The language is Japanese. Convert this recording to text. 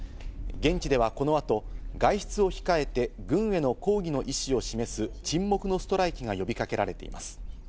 現地ではこの後、外出を控えて軍への抗議の意思を示す、沈黙のストライキが呼びかけられています。